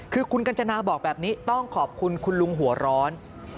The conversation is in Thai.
คือคุณกัญจนาบอกแบบนี้ต้องขอบคุณคุณลุงหัวร้อน